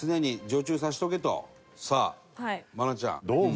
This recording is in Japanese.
さあ愛菜ちゃん。どう思う？